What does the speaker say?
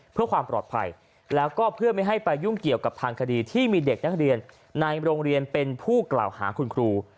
เพื่อความปลอดภัยแล้วก็เพื่อไม่ให้ไปยุ่งเกี่ยวกับทางคดีที่มีเด็กนักเรียนในโรงเรียนเป็นผู้กล่าวหาคุณครู